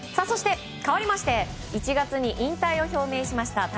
そして、かわりまして１月に引退を表明しました